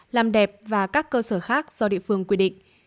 làm đẹp và các cơ sở khác do địa phương quy định